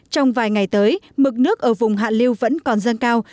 trong vài ngày tới mực nước ở vùng hạ liêu vẫn còn dâng cao